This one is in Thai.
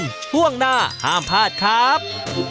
ช่วงหน้าห้ามพลาดครับ